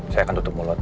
saya akan tutup mulut